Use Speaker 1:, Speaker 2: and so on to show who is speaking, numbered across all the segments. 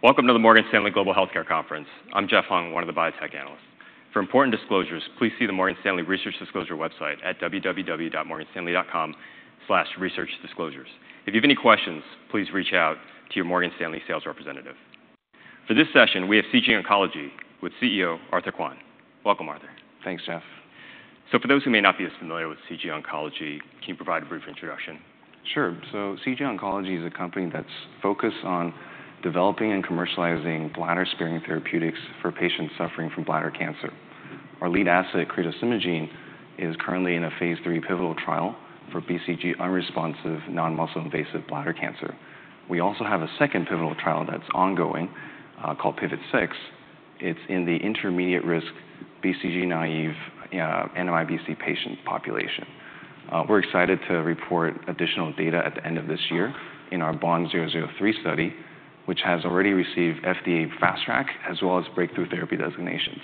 Speaker 1: Welcome to the Morgan Stanley Global Healthcare Conference. I'm Jeff Hung, one of the biotech analysts. For important disclosures, please see the Morgan Stanley Research Disclosure website at www.morganstanley.com/researchdisclosures. If you have any questions, please reach out to your Morgan Stanley sales representative. For this session, we have CG Oncology, with CEO, Arthur Kuan. Welcome, Arthur.
Speaker 2: Thanks, Jeff.
Speaker 1: So for those who may not be as familiar with CG Oncology, can you provide a brief introduction?
Speaker 2: Sure. So CG Oncology is a company that's focused on developing and commercializing bladder-sparing therapeutics for patients suffering from bladder cancer. Our lead asset, Cretostimogene, is currently in a phase III pivotal trial for BCG unresponsive non-muscle invasive bladder cancer. We also have a second pivotal trial that's ongoing, called PIVOT-006. It's in the intermediate-risk BCG-naive NMIBC patient population. We're excited to report additional data at the end of this year in our BOND-003 study, which has already received FDA Fast Track, as well as breakthrough therapy designations.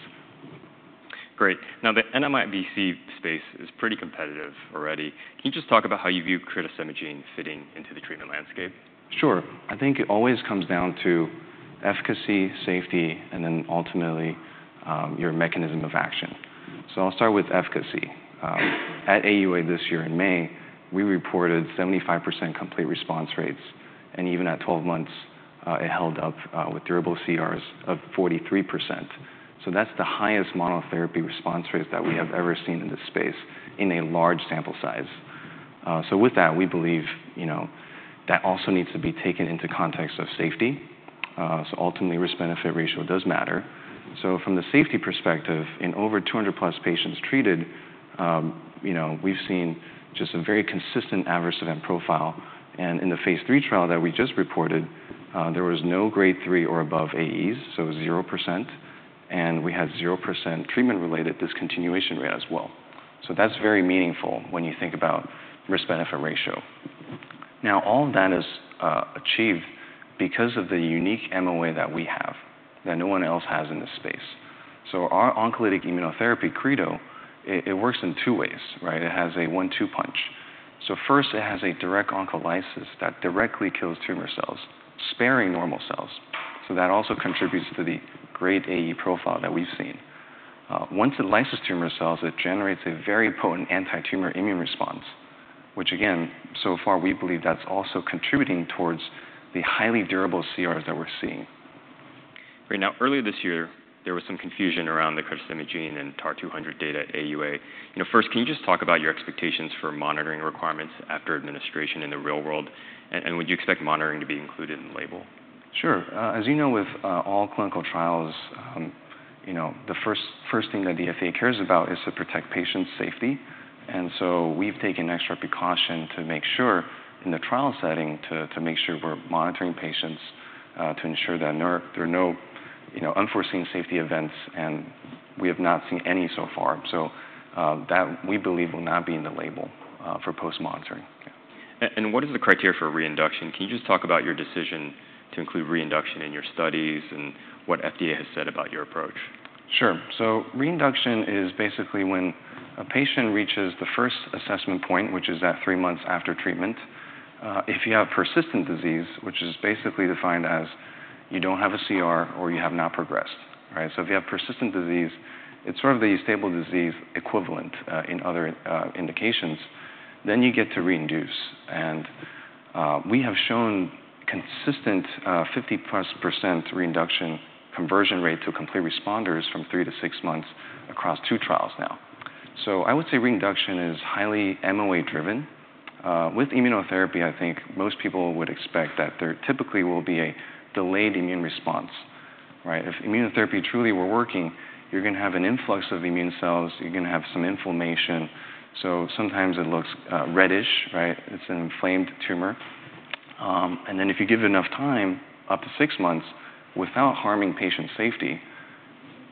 Speaker 1: Great. Now, the NMIBC space is pretty competitive already. Can you just talk about how you view Cretostimogene fitting into the treatment landscape?
Speaker 2: Sure. I think it always comes down to efficacy, safety, and then ultimately, your mechanism of action. So I'll start with efficacy. At AUA this year in May, we reported 75% complete response rates, and even at 12 months, it held up, with durable CRs of 43%. So that's the highest monotherapy response rates that we have ever seen in this space in a large sample size. So with that, we believe, you know, that also needs to be taken into context of safety. So ultimately, risk-benefit ratio does matter. So from the safety perspective, in over two hundred plus patients treated, you know, we've seen just a very consistent adverse event profile, and in the phase III trial that we just reported, there was no Grade three or above AEs, so 0%, and we had 0% treatment-related discontinuation rate as well. So that's very meaningful when you think about risk-benefit ratio. Now, all of that is achieved because of the unique MOA that we have, that no one else has in this space. So our oncolytic immunotherapy, Creto, it works in two ways, right? It has a one-two punch. So first, it has a direct oncolysis that directly kills tumor cells, sparing normal cells, so that also contributes to the great AE profile that we've seen. Once it lyses tumor cells, it generates a very potent antitumor immune response, which again, so far, we believe that's also contributing towards the highly durable CRs that we're seeing.
Speaker 1: Right. Now, earlier this year, there was some confusion around the Cretostimogene and TAR-200 data at AUA. You know, first, can you just talk about your expectations for monitoring requirements after administration in the real world? And would you expect monitoring to be included in the label?
Speaker 2: Sure. As you know, with all clinical trials, you know, the first thing that the FDA cares about is to protect patient safety. And so we've taken extra precaution to make sure... in the trial setting, to make sure we're monitoring patients, to ensure that there are no, you know, unforeseen safety events, and we have not seen any so far. So, that, we believe, will not be in the label, for post-monitoring.
Speaker 1: And what is the criteria for reinduction? Can you just talk about your decision to include reinduction in your studies and what FDA has said about your approach?
Speaker 2: Sure. So reinduction is basically when a patient reaches the first assessment point, which is at three months after treatment. If you have persistent disease, which is basically defined as you don't have a CR or you have not progressed, right? So if you have persistent disease, it's sort of a stable disease equivalent in other indications, then you get to reinduce. And we have shown consistent 50+% reinduction conversion rate to complete responders from three to six months across two trials now. So I would say reinduction is highly MOA-driven. With immunotherapy, I think most people would expect that there typically will be a delayed immune response, right? If immunotherapy truly were working, you're gonna have an influx of immune cells, you're gonna have some inflammation, so sometimes it looks reddish, right? It's an inflamed tumor. And then if you give it enough time, up to six months, without harming patient safety,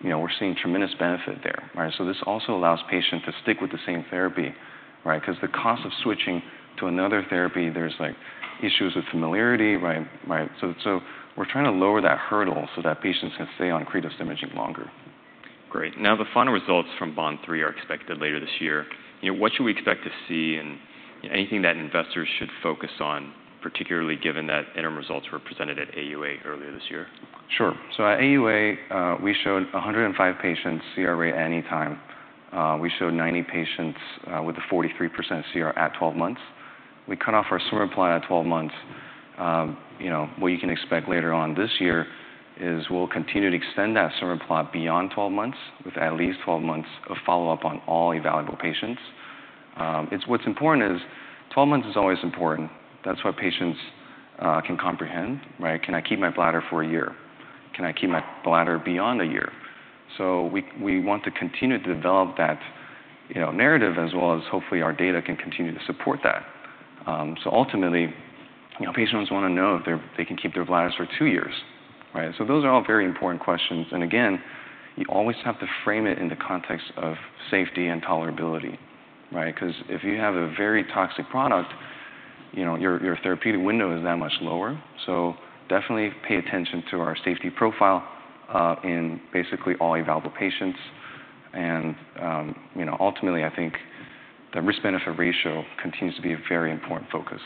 Speaker 2: you know, we're seeing tremendous benefit there, right? So this also allows patient to stick with the same therapy, right? 'Cause the cost of switching to another therapy, there's, like, issues with familiarity, right, right? So we're trying to lower that hurdle so that patients can stay on Cretostimogene longer.
Speaker 1: Great. Now, the final results from BOND-003 are expected later this year. You know, what should we expect to see and anything that investors should focus on, particularly given that interim results were presented at AUA earlier this year?
Speaker 2: Sure. So at AUA, we showed 105 patients CR rate any time. We showed 90 patients with a 43% CR at 12 months. We cut off our survival plot at 12 months. You know, what you can expect later on this year is we'll continue to extend that survival plot beyond 12 months, with at least 12 months of follow-up on all evaluable patients. What's important is 12 months is always important. That's what patients can comprehend, right? "Can I keep my bladder for a year? Can I keep my bladder beyond a year?" So we want to continue to develop that, you know, narrative, as well as hopefully our data can continue to support that. So ultimately, you know, patients want to know if they can keep their bladders for 2 years, right? So those are all very important questions. And again, you always have to frame it in the context of safety and tolerability, right? 'Cause if you have a very toxic product, you know, your therapeutic window is that much lower. So definitely pay attention to our safety profile in basically all evaluable patients. And you know, ultimately, I think the risk-benefit ratio continues to be a very important focus.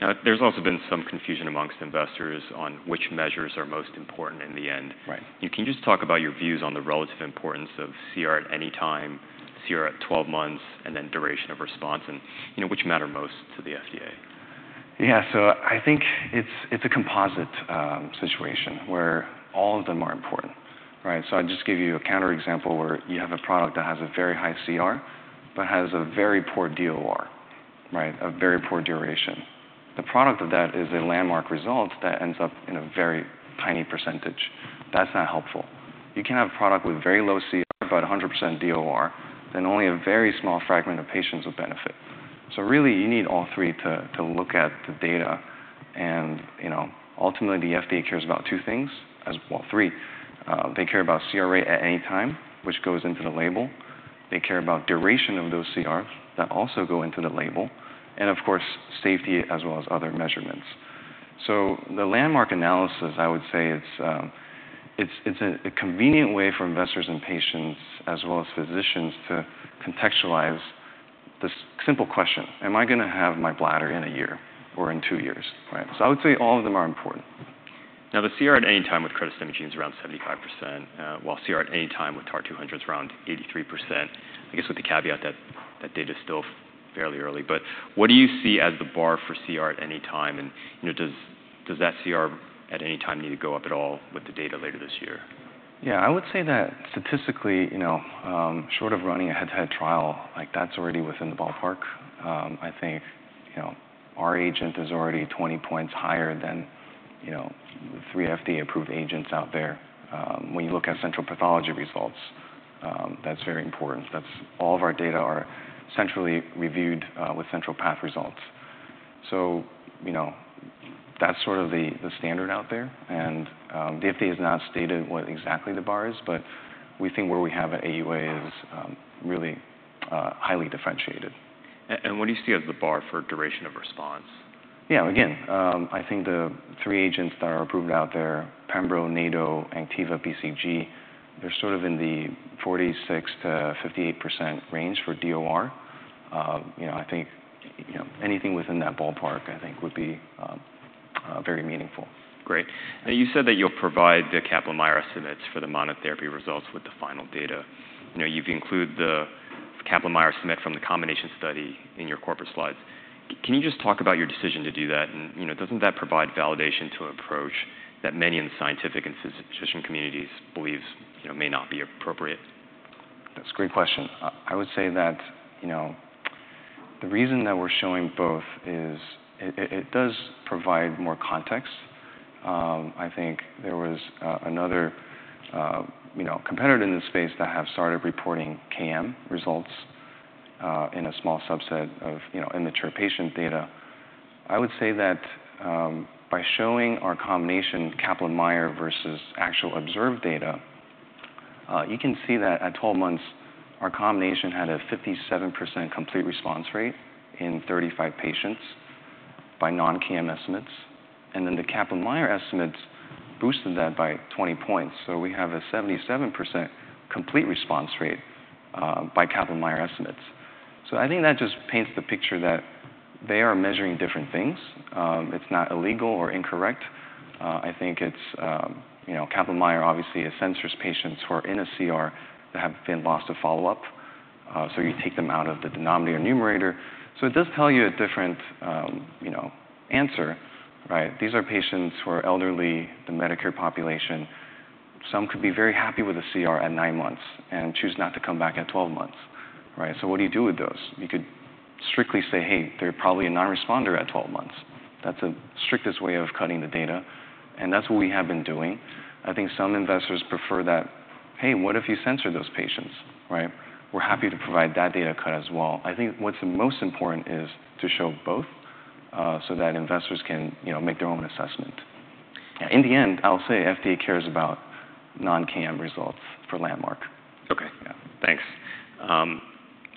Speaker 1: Now, there's also been some confusion among investors on which measures are most important in the end.
Speaker 2: Right.
Speaker 1: Can you just talk about your views on the relative importance of CR at any time, CR at twelve months, and then duration of response, and, you know, which matter most to the FDA?
Speaker 2: Yeah, so I think it's a composite situation where all of them are important, right? So I'll just give you a counter example where you have a product that has a very high CR, but has a very poor DOR, right? A very poor duration. The product of that is a landmark result that ends up in a very tiny percentage. That's not helpful. You can have a product with very low CR, but a 100% DOR, then only a very small fragment of patients will benefit. So really, you need all three to look at the data, and, you know, ultimately, the FDA cares about two things, as well, three. They care about CR at any time, which goes into the label. They care about duration of those CR, that also go into the label, and of course, safety as well as other measurements. So the landmark analysis, I would say it's a convenient way for investors and patients, as well as physicians, to contextualize this simple question: Am I gonna have my bladder in a year or in two years, right? So I would say all of them are important.
Speaker 1: Now, the CR at any time with Cretostimogene is around 75%, while CR at any time with TAR-200 is around 83%. I guess with the caveat that that data is still fairly early, but what do you see as the bar for CR at any time? And, you know, does that CR at any time need to go up at all with the data later this year?
Speaker 2: Yeah, I would say that statistically, you know, short of running a head-to-head trial, like, that's already within the ballpark. I think, you know, our agent is already 20 points higher than, you know, the 3 FDA-approved agents out there. When you look at central pathology results, that's very important. That's all of our data are centrally reviewed with central path results. So, you know, that's sort of the standard out there, and the FDA has not stated what exactly the bar is, but we think where we have at AUA is really highly differentiated.
Speaker 1: And what do you see as the bar for duration of response?
Speaker 2: Yeah, again, I think the three agents that are approved out there, Pembro, Nivo, Anktiva, BCG, they're sort of in the 46%-58% range for DOR. You know, I think, you know, anything within that ballpark, I think would be very meaningful.
Speaker 1: Great. Now, you said that you'll provide the Kaplan-Meier estimates for the monotherapy results with the final data. You know, you've included the Kaplan-Meier estimate from the combination study in your corporate slides. Can you just talk about your decision to do that, and you know, doesn't that provide validation to approach that many in the scientific and physician communities believes, you know, may not be appropriate?
Speaker 2: That's a great question. I would say that, you know, the reason that we're showing both is it does provide more context. I think there was another, you know, competitor in this space that have started reporting KM results in a small subset of, you know, immature patient data. I would say that by showing our combination Kaplan-Meier versus actual observed data, you can see that at 12 months, our combination had a 57% complete response rate in 35 patients by non-KM estimates, and then the Kaplan-Meier estimates boosted that by 20 points. So we have a 77% complete response rate by Kaplan-Meier estimates. So I think that just paints the picture that they are measuring different things. It's not illegal or incorrect. I think it's you know. Kaplan-Meier obviously censors patients who are in a CR that have been lost to follow-up, so you take them out of the denominator numerator. So it does tell you a different, you know, answer, right? These are patients who are elderly, the Medicare population. Some could be very happy with a CR at nine months and choose not to come back at 12 months, right? So what do you do with those? You could strictly say, "Hey, they're probably a non-responder at 12 months." That's the strictest way of cutting the data, and that's what we have been doing. I think some investors prefer that, "Hey, what if you censor those patients, right?" We're happy to provide that data cut as well. I think what's the most important is to show both, so that investors can, you know, make their own assessment. Yeah. In the end, I'll say, FDA cares about non-KM results for Landmark.
Speaker 1: Okay.
Speaker 2: Yeah.
Speaker 1: Thanks.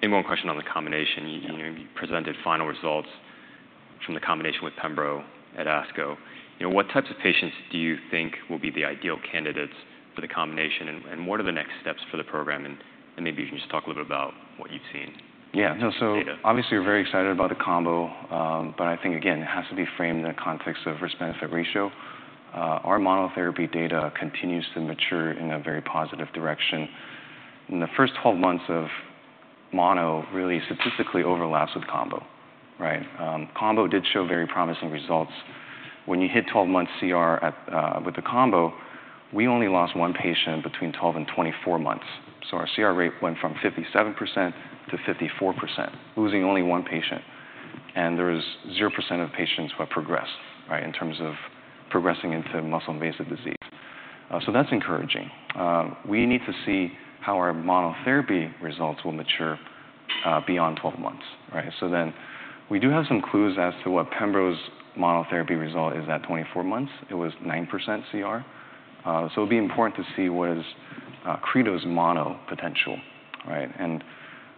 Speaker 1: Any more question on the combination, you know, you presented final results from the combination with Pembro at ASCO. You know, what types of patients do you think will be the ideal candidates for the combination, and, and what are the next steps for the program? and, and maybe you can just talk a little bit about what you've seen in the data.
Speaker 2: So obviously, we're very excited about the combo, but I think again, it has to be framed in the context of risk-benefit ratio. Our monotherapy data continues to mature in a very positive direction. In the first 12 months of mono, really statistically overlaps with combo, right? Combo did show very promising results. When you hit 12 months CR at with the combo, we only lost one patient between 12 and 24 months. So our CR rate went from 57% - 54%, losing only one patient. And there is 0% of patients who have progressed, right? In terms of progressing into muscle-invasive disease. So that's encouraging. We need to see how our monotherapy results will mature beyond 12 months, right? So then, we do have some clues as to what Pembro's monotherapy result is at 24 months. It was 9% CR. So it'll be important to see what is Creto's monotherapy potential. Right, and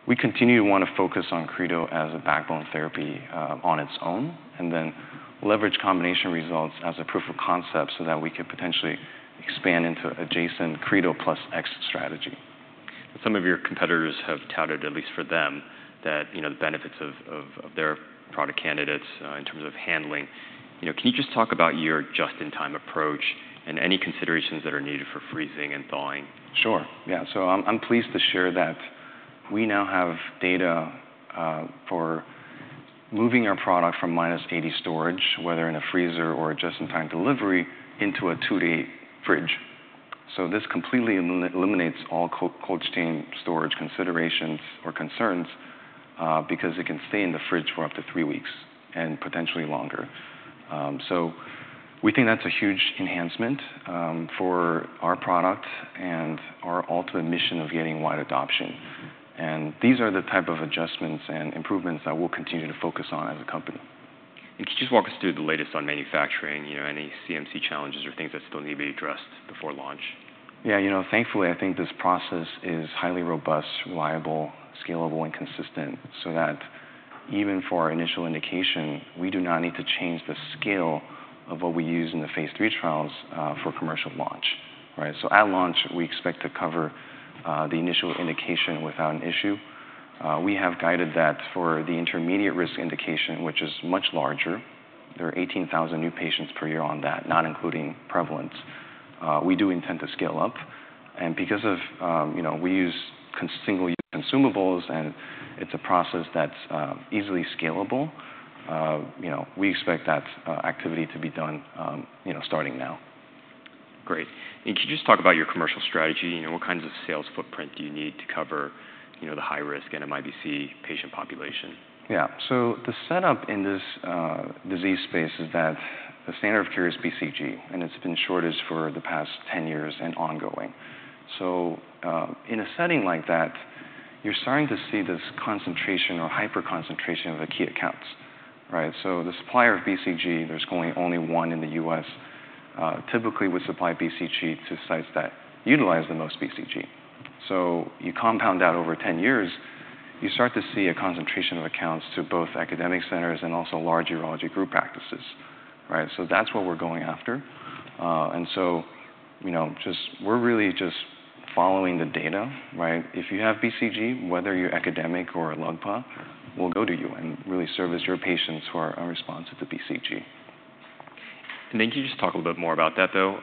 Speaker 2: we continue to want to focus on Creto as a backbone therapy, on its own, and then leverage combination results as a proof of concept so that we could potentially expand into adjacent Creto plus X strategy.
Speaker 1: Some of your competitors have touted, at least for them, that, you know, the benefits of their product candidates in terms of handling. You know, can you just talk about your just-in-time approach and any considerations that are needed for freezing and thawing?
Speaker 2: Sure, yeah. So I'm pleased to share that we now have data for moving our product from minus eighty storage, whether in a freezer or a just-in-time delivery, into a 2 - 8 degree fridge. So this completely eliminates all cold chain storage considerations or concerns, because it can stay in the fridge for up to three weeks, and potentially longer. So we think that's a huge enhancement for our product and our ultimate mission of getting wide adoption. And these are the type of adjustments and improvements that we'll continue to focus on as a company.
Speaker 1: Could you just walk us through the latest on manufacturing? You know, any CMC challenges or things that still need to be addressed before launch?
Speaker 2: Yeah, you know, thankfully, I think this process is highly robust, reliable, scalable, and consistent, so that even for our initial indication, we do not need to change the scale of what we use in the phase III trials for commercial launch, right? So at launch, we expect to cover the initial indication without an issue. We have guided that for the intermediate-risk indication, which is much larger. There are 18,000 new patients per year on that, not including prevalence. We do intend to scale up, and because of, you know, we use single-use consumables, and it's a process that's easily scalable, you know, we expect that activity to be done, you know, starting now.
Speaker 1: Great, and could you just talk about your commercial strategy? You know, what kinds of sales footprint do you need to cover, you know, the high-risk NMIBC patient population?
Speaker 2: Yeah. So the setup in this disease space is that the standard of care is BCG, and it's been shortage for the past ten years and ongoing. So, in a setting like that, you're starting to see this concentration or hyper-concentration of the key accounts, right? So the supplier of BCG, there's only one in the U.S., typically would supply BCG to sites that utilize the most BCG. So you compound that over ten years, you start to see a concentration of accounts to both academic centers and also large urology group practices, right? So that's what we're going after. And so, you know, we're really just following the data, right? If you have BCG, whether you're academic or a LUGPA, we'll go to you and really service your patients who are unresponsive to BCG.
Speaker 1: Can you just talk a little bit more about that, though?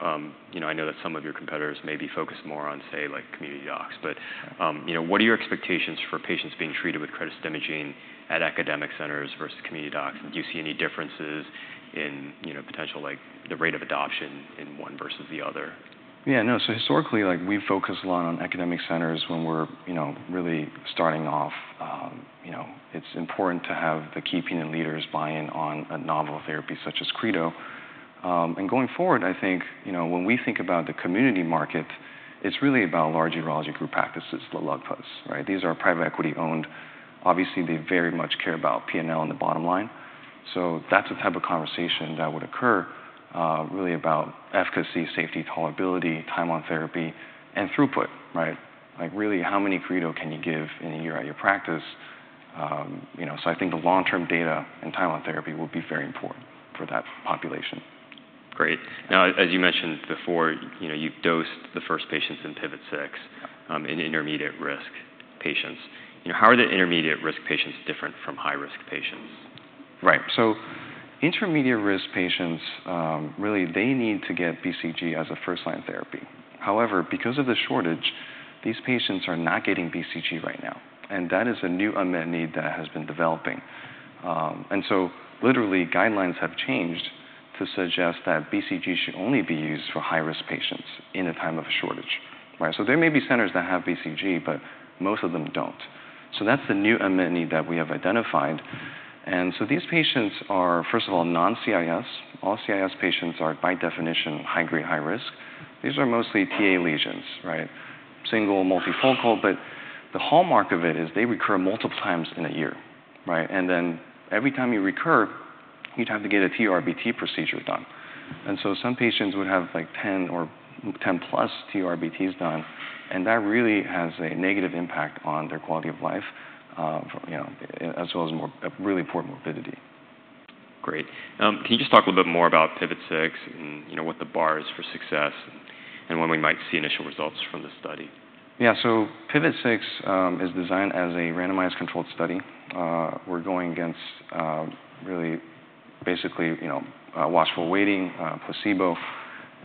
Speaker 1: You know, I know that some of your competitors may be focused more on, say, like, community docs, but, you know, what are your expectations for patients being treated with Cretostimogene at academic centers versus community docs? Do you see any differences in, you know, potential, like, the rate of adoption in one versus the other?
Speaker 2: Yeah, no. So historically, like, we've focused a lot on academic centers when we're, you know, really starting off. You know, it's important to have the key opinion leaders buy in on a novel therapy such as Creto. And going forward, I think, you know, when we think about the community market, it's really about large urology group practices, the LUGPA, right? These are private equity-owned. Obviously, they very much care about P&L and the bottom line, so that's the type of conversation that would occur, really about efficacy, safety, tolerability, time on therapy, and throughput, right? Like, really, how many Creto can you give in a year at your practice? You know, so I think the long-term data and time on therapy will be very important for that population.
Speaker 1: Great. Now, as you mentioned before, you know, you've dosed the first patients in PIVOT-006 in intermediate-risk patients. You know, how are the intermediate-risk patients different from high-risk patients?
Speaker 2: Right. So intermediate-risk patients, really, they need to get BCG as a first-line therapy. However, because of the shortage, these patients are not getting BCG right now, and that is a new unmet need that has been developing. And so literally, guidelines have changed to suggest that BCG should only be used for high-risk patients in a time of shortage, right? So there may be centers that have BCG, but most of them don't. So that's the new unmet need that we have identified. And so these patients are, first of all, non-CIS. All CIS patients are, by definition, high-grade, high-risk. These are mostly Ta lesions, right? Single, multifocal, but the hallmark of it is they recur multiple times in a year, right? And then every time you recur, you have to get a TURBT procedure done. And so some patients would have, like, 10 or 10+ TURBTs done, and that really has a negative impact on their quality of life, you know, as well as more, a really poor morbidity.
Speaker 1: Great. Can you just talk a little bit more about PIVOT-006 and, you know, what the bar is for success and when we might see initial results from the study?
Speaker 2: Yeah. So PIVOT-006 is designed as a randomized controlled study. We're going against, really, basically, you know, watchful waiting, placebo,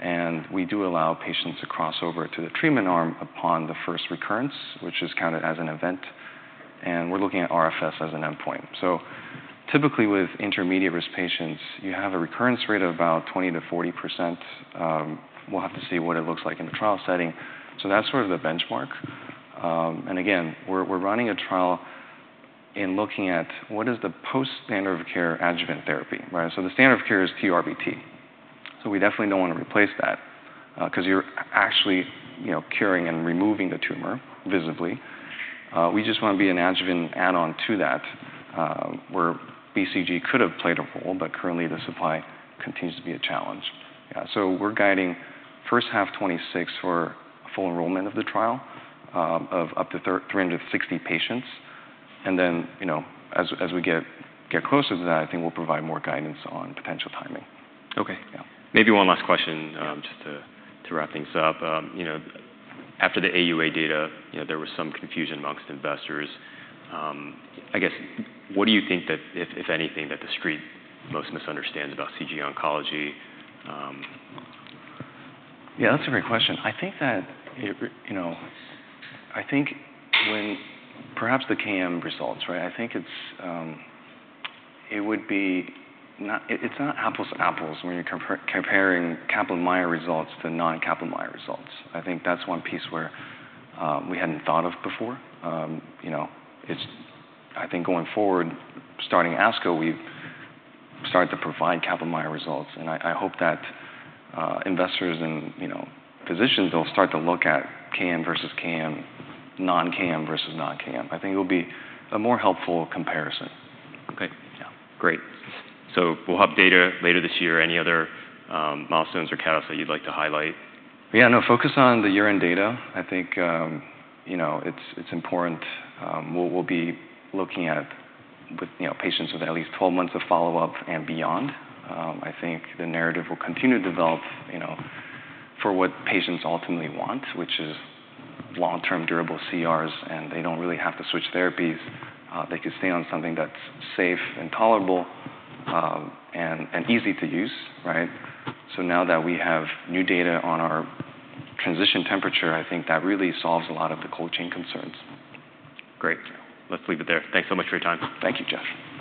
Speaker 2: and we do allow patients to cross over to the treatment arm upon the first recurrence, which is counted as an event, and we're looking at RFS as an endpoint. So typically, with intermediate-risk patients, you have a recurrence rate of about 20% - 40%. We'll have to see what it looks like in the trial setting. So that's sort of the benchmark. And again, we're running a trial and looking at what is the post-standard of care adjuvant therapy, right? So the standard of care is TURBT. So we definitely don't want to replace that, 'cause you're actually, you know, curing and removing the tumor visibly. We just want to be an adjuvant add-on to that. Where BCG could have played a role, but currently the supply continues to be a challenge. So we're guiding first half 2026 for full enrollment of the trial, of up to three hundred and sixty patients. And then, you know, as we get closer to that, I think we'll provide more guidance on potential timing.
Speaker 1: Okay.
Speaker 2: Yeah.
Speaker 1: Maybe one last question just to wrap things up. You know, after the AUA data, you know, there was some confusion among investors. I guess, what do you think that, if anything, that the street most misunderstands about CG Oncology?
Speaker 2: Yeah, that's a great question. I think that, you know, I think when perhaps the KM results, right? I think it's not apples to apples when you're comparing Kaplan-Meier results to non-Kaplan-Meier results. I think that's one piece where we hadn't thought of before. You know, I think going forward, starting ASCO, we've started to provide Kaplan-Meier results, and I hope that investors and, you know, physicians will start to look at KM versus KM, non-KM versus non-KM. I think it'll be a more helpful comparison.
Speaker 1: Okay.
Speaker 2: Yeah.
Speaker 1: Great. So we'll have data later this year. Any other, milestones or catalysts that you'd like to highlight?
Speaker 2: Yeah, no, focus on the year-end data. I think, you know, it's important. We'll be looking at it with, you know, patients with at least twelve months of follow-up and beyond. I think the narrative will continue to develop, you know, for what patients ultimately want, which is long-term durable CRs, and they don't really have to switch therapies. They can stay on something that's safe and tolerable, and easy to use, right? So now that we have new data on our transition temperature, I think that really solves a lot of the cold chain concerns.
Speaker 1: Great. Let's leave it there. Thanks so much for your time.
Speaker 2: Thank you, Jeff.